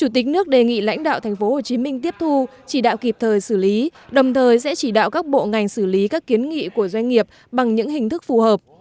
chủ tịch nước đề nghị lãnh đạo tp hcm tiếp thu chỉ đạo kịp thời xử lý đồng thời sẽ chỉ đạo các bộ ngành xử lý các kiến nghị của doanh nghiệp bằng những hình thức phù hợp